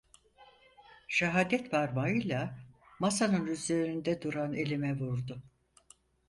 Şahadetparmağıyla, masanın üzerinde duran elime vurdu: